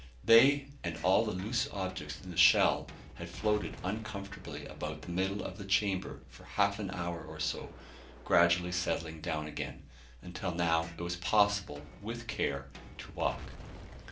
They, and all the loose objects in the shell, had floated uncomfortably about the middle of the chamber for half an hour or so, gradually settling down again; until now it was possible, with care, to walk.